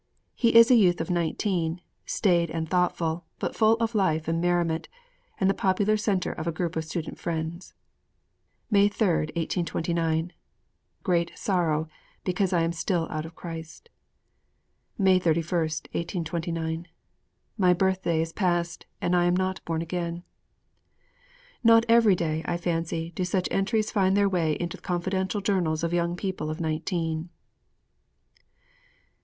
He is a youth of nineteen, staid and thoughtful, but full of life and merriment, and the popular center of a group of student friends. May 3, 1829. Great sorrow, because I am still out of Christ. May 31, 1829. My birthday is past and I am not born again. Not every day, I fancy, do such entries find their way into the confidential journals of young people of nineteen.